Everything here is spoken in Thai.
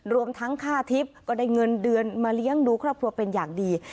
รวมทั้งค่าทิพย์ก็ได้เงินเดือนมาเลี้ยงดูครอบครัวเป็นอย่างดี